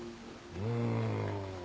うん。